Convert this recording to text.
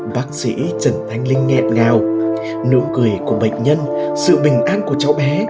bác sĩ trần thanh linh nghẹn ngào nụ cười của bệnh nhân sự bình an của cháu bé